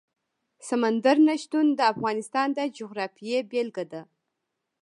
سمندر نه شتون د افغانستان د جغرافیې بېلګه ده.